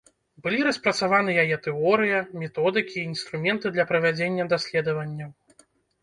Былі распрацаваны яе тэорыя, методыкі і інструменты для правядзення даследаванняў.